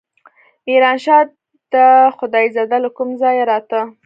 ميرانشاه ته خدايزده له کوم ځايه راته.